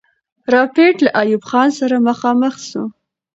رایپټ له ایوب خان سره مخامخ سو.